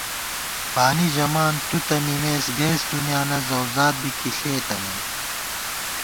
بانی ژَمان تُو تہ مِمېس گئیس دُنیانہ ذَؤزاد بی کی ݪېتہ نئ